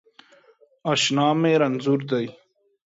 اشنا می رنځور دی